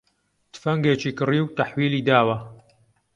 تفەنگێکی کڕی و تەحویلی داوە